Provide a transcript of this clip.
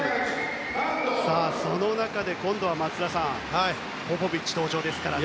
さあ、その中で今度は、松田さんポポビッチが登場ですからね。